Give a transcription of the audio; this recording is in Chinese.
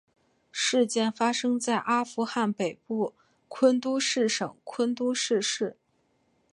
事件发生在阿富汗北部昆都士省昆都士市。